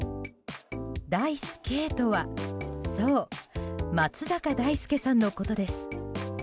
Ｄｉｃｅ‐Ｋとはそう、松坂大輔さんのことです。